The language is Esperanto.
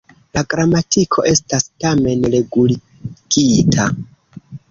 La gramatiko estas tamen reguligita.